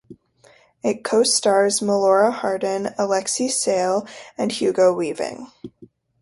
It co-stars Melora Hardin, Alexei Sayle and Hugo Weaving.